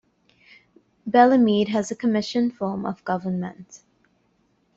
Bellemeade has a commission form of government.